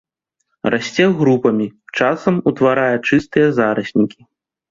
Расце групамі, часам утварае чыстыя зараснікі.